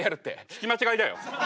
聞き間違いだよ。